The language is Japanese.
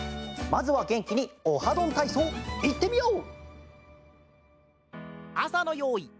まずはげんきに「オハどんたいそう」いってみよう！